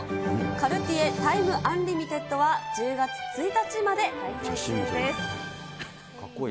カルティエ・タイム・アンリミテッドは１０月１日まで開催中です。